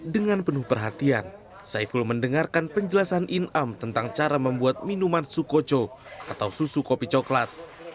dengan penuh perhatian saiful mendengarkan penjelasan inam tentang cara membuat minuman sukoco atau susu kopi coklat